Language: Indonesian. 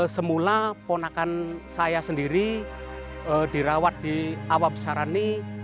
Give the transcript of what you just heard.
semula ponakan saya sendiri dirawat di awab sarani